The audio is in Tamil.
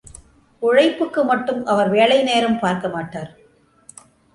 உழைப்புக்கு மட்டும் அவர் வேளை நேரம் பார்க்கமாட்டார்.